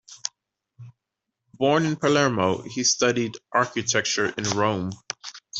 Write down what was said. Born in Palermo, he studied architecture in Rome.